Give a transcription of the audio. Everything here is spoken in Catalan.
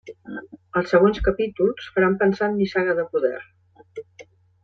Els següents capítols faran pensar en Nissaga de poder.